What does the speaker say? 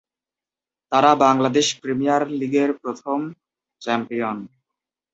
তারা বাংলাদেশ প্রিমিয়ার লীগের বর্তমান চ্যাম্পিয়ন।